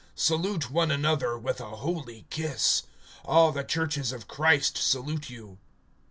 (16)Salute one another with a holy kiss. All the churches of Christ salute you.